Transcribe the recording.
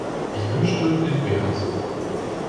Ich wünschte, dem wäre so.